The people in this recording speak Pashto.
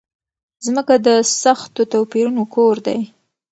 ځمکه د سختو توپيرونو کور دی.